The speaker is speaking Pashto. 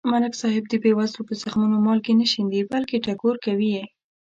ملک صاحب د بې وزلو په زخمونو مالګې نه شیندي. بلکې ټکور کوي یې.